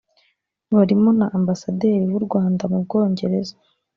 barimo na Ambasaderi w’u Rwanda mu Bwongereza